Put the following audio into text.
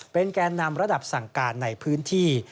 แกนนำระดับสั่งการในพื้นที่